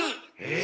え？